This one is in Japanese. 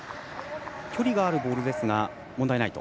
距離があるボールですが問題ないと？